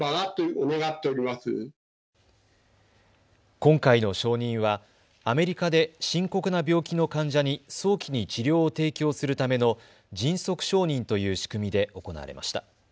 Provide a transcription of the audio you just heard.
今回の承認はアメリカで深刻な病気の患者に早期に治療を提供するための迅速承認という仕組みで行われました。